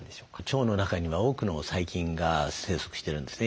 腸の中には多くの細菌が生息してるんですね。